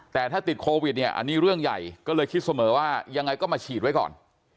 แต่ถ้าติดโควิดเนี่ยอันนี้เรื่องใหญ่ก็เลยคิดเสมอว่ายังไงก็มาฉีดไว้ก่อน